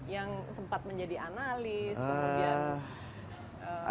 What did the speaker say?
yang sempat menjadi analis kemudian